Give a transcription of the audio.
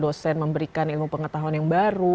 dosen memberikan ilmu pengetahuan yang baru